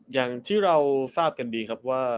อย่างที่เราทราบกันดีครับว่า